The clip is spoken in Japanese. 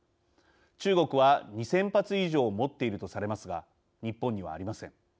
中国は２０００発以上持っているとされますが日本にはありません。